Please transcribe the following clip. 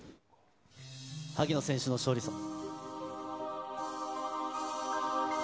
萩野選手の勝利ソング。